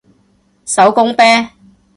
手工啤